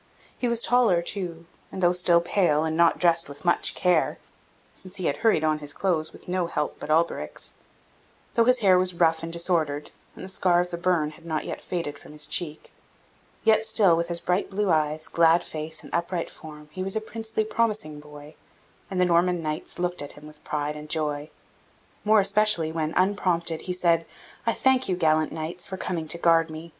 He was taller too; and though still pale, and not dressed with much care (since he had hurried on his clothes with no help but Alberic's) though his hair was rough and disordered, and the scar of the burn had not yet faded from his check yet still, with his bright blue eyes, glad face, and upright form, he was a princely, promising boy, and the Norman knights looked at him with pride and joy, more especially when, unprompted, he said: "I thank you, gallant knights, for coming to guard me.